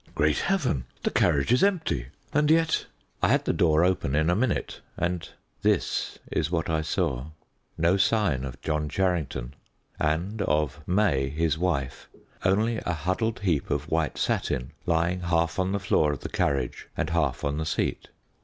"Great Heaven, the carriage is empty! And yet " I had the door open in a minute, and this is what I saw No sign of John Charrington; and of May, his wife, only a huddled heap of white satin lying half on the floor of the carriage and half on the seat.